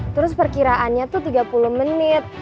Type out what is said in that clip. terus perkiraannya tuh tiga puluh menit